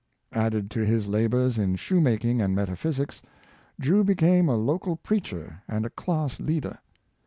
Added to his labors in shoemaking and metaphysics. Drew became a local preacher and a class leader.